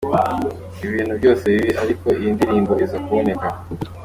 Ibintu byose bibi ariko iyi ndirimbo iza kuboneka.